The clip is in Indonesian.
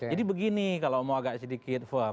jadi begini kalau mau agak sedikit ful